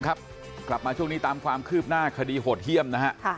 กลับมาช่วงนี้ตามความคืบหน้าคดีโหดเยี่ยมนะฮะ